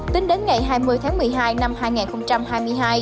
tính đến ngày hai mươi tháng một mươi hai năm hai nghìn hai mươi hai